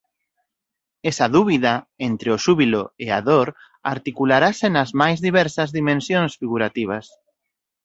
Esa dúbida entre o xúbilo e a dor articularase nas máis diversas dimensións figurativas.